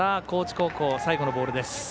高知高校最後のボールです。